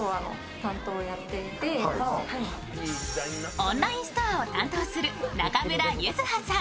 オンラインストアを担当する中村柚葉さん。